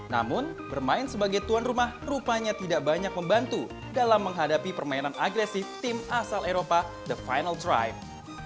namun bermain sebagai tuan rumah rupanya tidak banyak membantu dalam menghadapi permainan agresif tim asal eropa the final drive